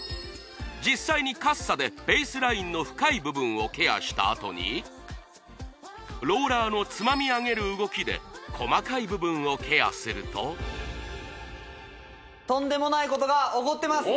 実際にカッサでフェイスラインの深い部分をケアしたあとにローラーのつまみ上げる動きで細かい部分をケアすると起こってます